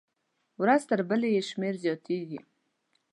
ورځ تر بلې یې شمېر زیاتېږي.